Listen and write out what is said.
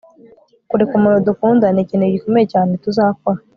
kureka umuntu dukunda nikintu gikomeye cyane tuzakora